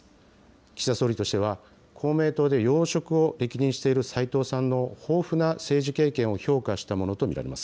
岸田総理としては、公明党で要職を歴任している斉藤さんの豊富な政治経験を評価したものと見られます。